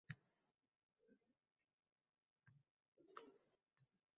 Shu fikr xayolimdan o‘tdi.